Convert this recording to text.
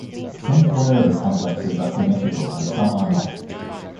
Some flyover complexes are symmetrical and some are not.